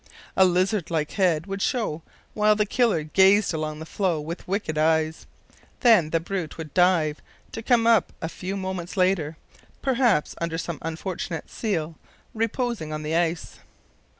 A lizard like head would show while the killer gazed along the floe with wicked eyes. Then the brute would dive, to come up a few moments later, perhaps, under some unfortunate seal reposing on the ice.